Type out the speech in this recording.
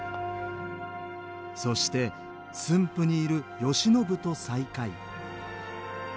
そして駿府にいる慶喜と再会。